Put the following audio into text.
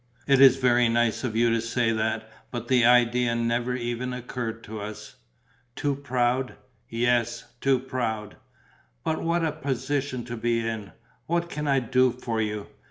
"It is very nice of you to say that, but the idea never even occurred to us." "Too proud?" "Yes, too proud." "But what a position to be in! What can I do for you?